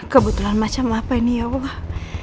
kebetulan macam apa ini ya wah